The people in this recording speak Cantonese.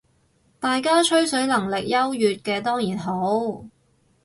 大家吹水能力優越嘅當然好